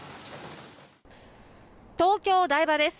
東京・台場です。